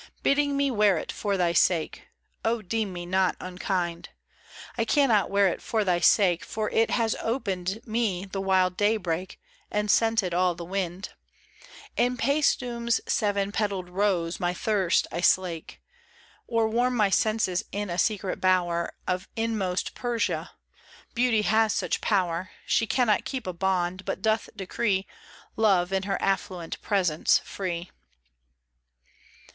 Bidding me wear it for thy sake — Oh, deem me not unkind 1 I cannot wear it for thy sake, For it has opened me the wild daybreak And scented all the wind : In Paestum's seven petalled rose My thirst I slake ; Or warm my senses in a secret bower Of inmost Persia : Beauty has such power She cannot keep a bond ; but doth decree Love in her affluent presence free.